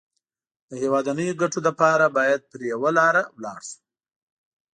د هېوادنيو ګټو لپاره بايد پر يوه لاره ولاړ شو.